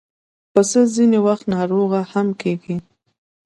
پسه ځینې وخت ناروغه هم کېږي.